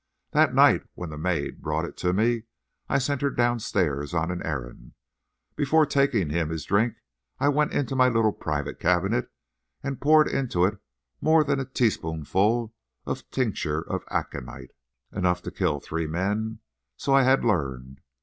That night when the maid brought it to me I sent her downstairs on an errand. Before taking him his drink I went to my little private cabinet and poured into it more than a tea spoonful of tincture of aconite—enough to kill three men, so I had learned.